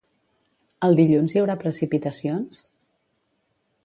El dilluns hi haurà precipitacions?